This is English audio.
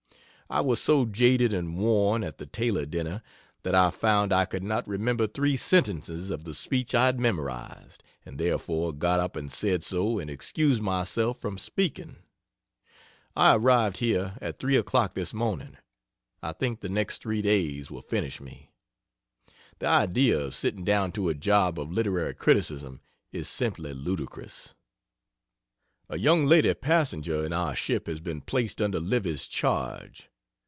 I was so jaded and worn, at the Taylor dinner, that I found I could not remember 3 sentences of the speech I had memorized, and therefore got up and said so and excused myself from speaking. I arrived here at 3 o'clock this morning. I think the next 3 days will finish me. The idea of sitting down to a job of literary criticism is simply ludicrous. A young lady passenger in our ship has been placed under Livy's charge.